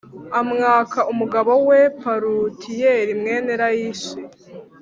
amwaka umugabo we Palutiyeli mwene Layishi.